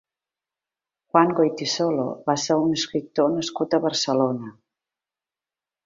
Juan Goytisolo va ser un escriptor nascut a Barcelona.